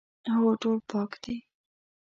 هو، ټول پاک دي